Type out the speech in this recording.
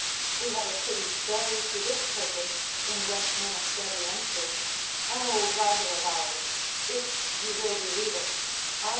We have a pretty story to this purpose in Westmonasteriensis, an old writer of ours (if you will believe it) _An.